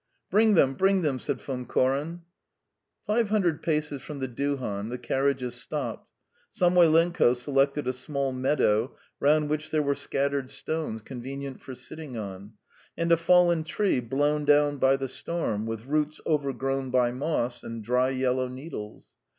"Bring them, bring them!" said Von Koren. Five hundred paces from the duhan the carriages stopped. Samoylenko selected a small meadow round which there were scattered stones convenient for sitting on, and a fallen tree blown down by the storm with roots overgrown by moss and dry yellow needles.